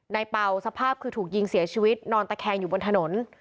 เป่าสภาพคือถูกยิงเสียชีวิตนอนตะแคงอยู่บนถนน